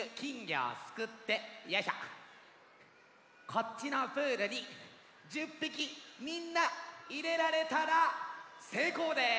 こっちのプールに１０ぴきみんないれられたらせいこうです！